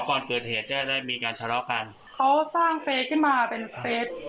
อ๋อก่อนเปิดเหตุได้ได้มีการชะลอกกันเขาสร้างเฟซที่มาเป็นเฟซ